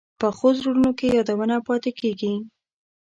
پخو زړونو کې یادونه پاتې کېږي